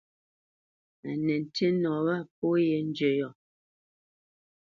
Á nə ntî nɔ wâ pó yē njə́ yɔ̂.